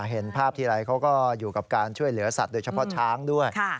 เห็นภาพทีไรเขาก็อยู่กับการช่วยเหลือสัตว์โดยเฉพาะช้างด้วย